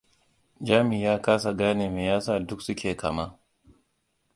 Jami ya kasa gane me yasa duk suke kama.